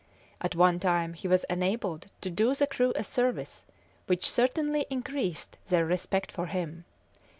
At one time he was enabled to do the crew a service, which certainly increased their respect for him.